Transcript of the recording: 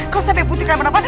kalau sampe putri kenapa napa